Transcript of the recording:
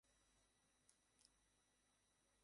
তোমাকে এখানে তিনদিন থাকতে হবে।